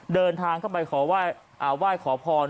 เดินทางเข้ามาขอว่ายขอพร